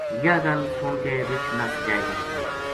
یاہ گل سن کے رچھ نس جائے گو